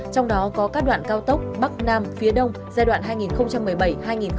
trong đó có các đoạn cao tốc bắc nam phía đông giai đoạn hai nghìn một mươi bảy hai nghìn hai mươi